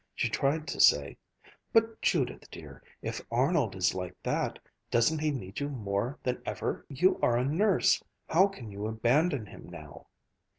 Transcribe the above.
She tried to say, "But, Judith dear, if Arnold is like that doesn't he need you more than ever? You are a nurse. How can you abandon him now!"